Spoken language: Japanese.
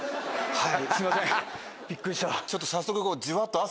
はい。